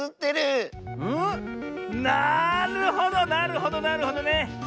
なるほどなるほどなるほどね。